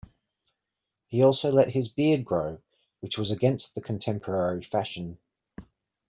He also let his beard grow, which was against the contemporary fashion.